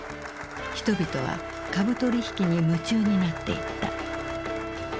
人々は株取引に夢中になっていった。